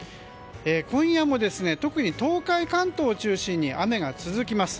今夜も特に東海・関東を中心に雨が続きます。